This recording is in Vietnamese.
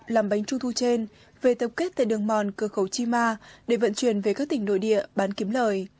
làm bánh trung thu trên về tập kết tại đường mòn cửa khẩu chi ma để vận chuyển về các tỉnh nội địa bán kiếm lời